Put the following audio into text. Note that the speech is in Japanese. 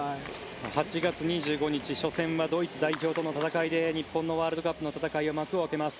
８月２５日初戦はドイツ代表との戦いで日本のワールドカップの戦いは幕を開けます。